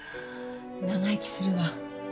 長生きするわ